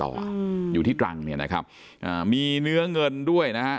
อ่ะอืมอยู่ที่ตรังเนี่ยนะครับอ่ามีเนื้อเงินด้วยนะฮะ